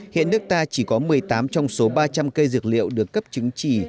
hiện nước ta chỉ có một mươi tám trong số ba trăm linh cây dược liệu được cấp chứng chỉ